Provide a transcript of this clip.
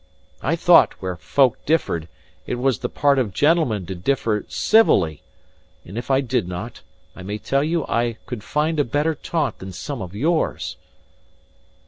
I thought, where folk differed, it was the part of gentlemen to differ civilly; and if I did not, I may tell you I could find a better taunt than some of yours."